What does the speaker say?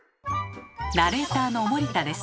ナレーターの森田です。